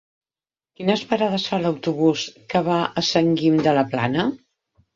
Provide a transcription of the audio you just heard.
Quines parades fa l'autobús que va a Sant Guim de la Plana?